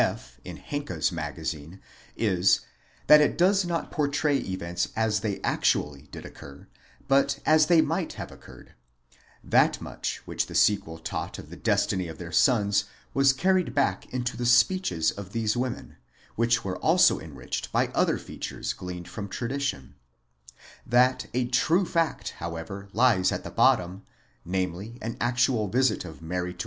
F. in Henke's Magazine ® is, that it does not pourtray events as they actu ally did occur, but as they might have occurred ; that much which the sequel taught of the destiny of their sons was carried back into the speeches of these women, which were also enriched by other features gleaned from tradition ; that a true fact however lies at the bottom, namely an actual visit of Mary to.